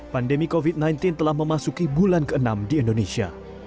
pandemi covid sembilan belas telah memasuki bulan ke enam di indonesia